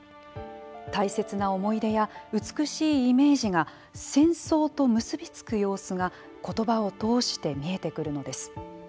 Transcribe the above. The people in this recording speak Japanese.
大切な思い出や美しいイメージが戦争と結び付く様子が言葉を通して見えてくるのです。